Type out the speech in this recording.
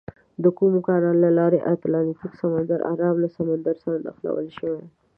د کوم کانال له لارې اتلانتیک سمندر ارام له سمندر سره نښلول شوي؟